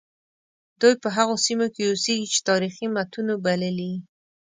دوی په هغو سیمو کې اوسیږي چې تاریخي متونو بللي.